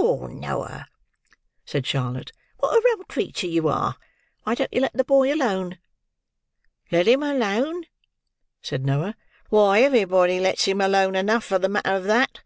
"Lor, Noah!" said Charlotte, "what a rum creature you are! Why don't you let the boy alone?" "Let him alone!" said Noah. "Why everybody lets him alone enough, for the matter of that.